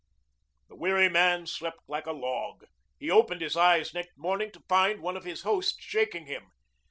The weary man slept like a log. He opened his eyes next morning to find one of his hosts shaking him.